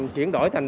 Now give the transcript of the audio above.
chuyển đổi thành